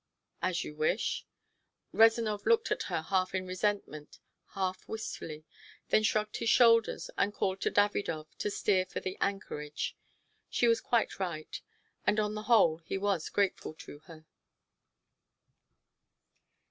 "As you wish!" Rezanov looked at her half in resentment, half wistfully, then shrugged his shoulders, and called to Davidov to steer for the anchorage. She was quite right; and on the whole he was grateful to her.